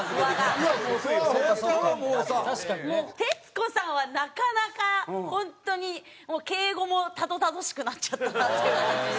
もう徹子さんはなかなかホントに敬語もたどたどしくなっちゃったなっていう感じ。